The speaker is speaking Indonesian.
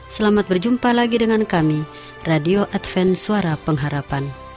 selamat berjumpa lagi dengan kami radio adven suara pengharapan